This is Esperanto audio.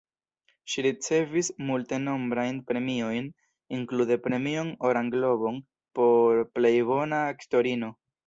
Ŝi ricevis multenombrajn premiojn, inklude Premion Oran Globon por plej bona aktorino.